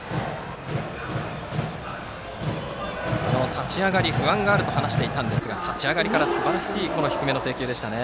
立ち上がり、不安があると話していたんですが立ち上がりからすばらしい低めの制球でしたね。